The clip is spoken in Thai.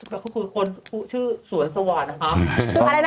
แล้วก็คือคนชื่อสวนสวัสดิ์นะครับ